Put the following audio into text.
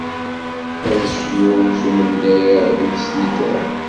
Ad cnun s umendayer akked snitra!